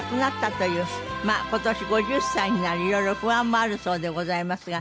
まあ今年５０歳になりいろいろ不安もあるそうでございますが。